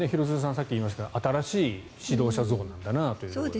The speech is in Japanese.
さっき言いましたが新しい指導者像なんだなというのも。